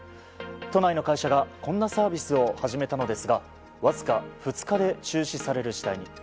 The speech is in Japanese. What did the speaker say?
都内の会社がこんなサービスを始めたのですがわずか２日で中止される事態に。